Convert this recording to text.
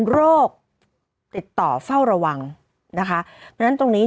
โรคติดต่อเฝ้าระวัง